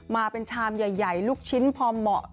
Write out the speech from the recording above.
มาเป็นชามใหญ่ลูกชิ้นพอเหมาะ